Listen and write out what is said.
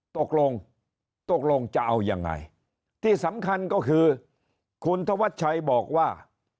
ตกลงตกลงจะเอายังไงที่สำคัญก็คือคุณธวัชชัยบอกว่า